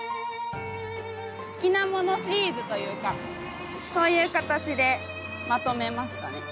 「好きなものシリーズ」というかそういう形でまとめましたね。